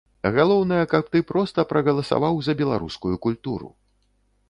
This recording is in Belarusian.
Галоўнае, каб ты проста прагаласаваў за беларускую культуру.